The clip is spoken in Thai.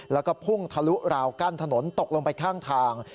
แล้วก็พุ่งทะลุราวกั้นถนนตกลงไปข้างทาง